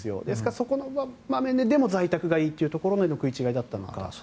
ですから、そこの場面ででも、在宅がいいというところの食い違いだったのか。